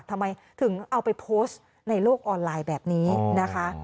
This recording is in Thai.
ทำไมถึงเอาไปโพสต์ในโลกออนไลน์แบบนี้นะคะ